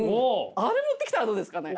あれ持ってきたらどうですかね？